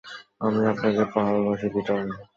আমি আপনাকে ভালোবাসি, পিটার।